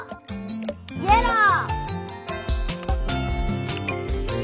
イエロー！